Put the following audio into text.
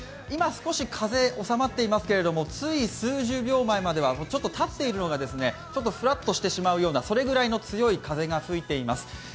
今、少し風、収まっていますけれどもつい数十秒前まではちょっと立っているのがふらっとしてしまうようなそれぐらいの強い風が吹いています。